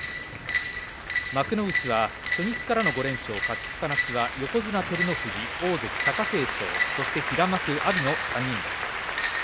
幕内では初日からの５連勝勝ちっぱなしは横綱照ノ富士大関貴景勝、そして平幕阿炎の３人です。